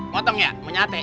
motong ya menyate